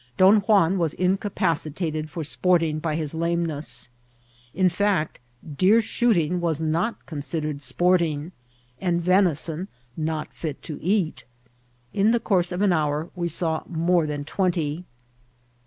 Don Juan was incapacitated for sporting by his lameness ; in fact, deer shooting was not considered sporting, and venison not fit to eat.' In the course of an hour we saw more than twenty.